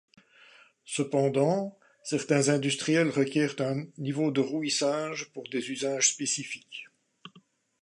Cependant, certains industriels requièrent un niveau de rouissage pour des usages spécifiques.